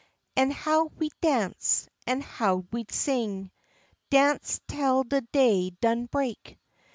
An' how we'd dance, an' how we'd sing! Dance tel de day done break.